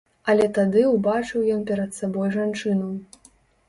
Але тады ўбачыў ён перад сабой жанчыну.